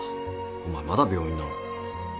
お前まだ病院なの？